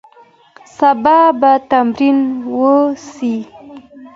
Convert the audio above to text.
سبا به تمرین وسي.